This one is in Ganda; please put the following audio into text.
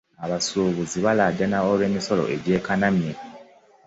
Abasuubuzi balaajana olw'emisolo egy'ekanamye.